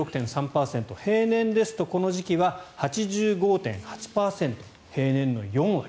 平年ですとこの時期は８５．８％平年の４割。